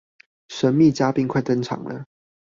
神祕嘉賓快登場了